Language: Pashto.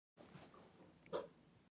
اوس د سلټیک ژبو مطالعه هم کوي.